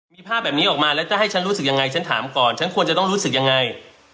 มีภาพแบบนี้ออกมาแล้วจะให้ฉันรู้สึกยังไงฉันถามก่อนฉันควรจะต้องรู้สึกยังไง